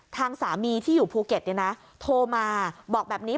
ทางสามีที่อยู่ภูเก็ตเนี่ยนะโทรมาบอกแบบนี้